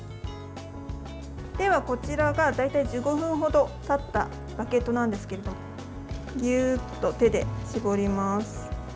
では、こちらが大体１５分ほどたったバゲットなんですけどぎゅーっと手で絞ります。